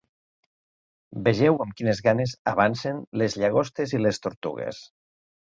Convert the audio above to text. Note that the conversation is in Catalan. Vegeu amb quines ganes avancen les llagostes i les tortugues!